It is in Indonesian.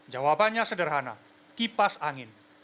jawabannya sederhana kipas angin